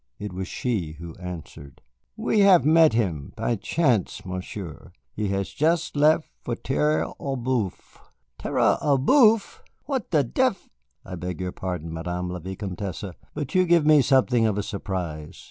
It was she who answered. "We have met him by chance, Monsieur. He has just left for Terre aux Bœufs." "Terre aux Bœufs! What the dev I beg your pardon, Madame la Vicomtesse, but you give me something of a surprise.